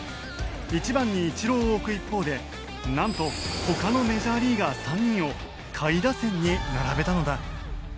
１番にイチローを置く一方でなんと他のメジャーリーガー３人を下位打線に並べたのだ。